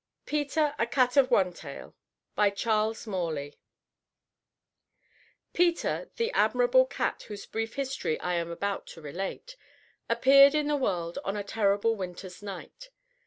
PETER: A CAT O' ONE TAIL By Charles Morley Peter, the admirable cat whose brief history I am about to relate, appeared in the world on a terrible winter's night.